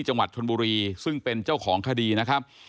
จังหวัดชนบุรีซึ่งเป็นเจ้าของคดีนะครับ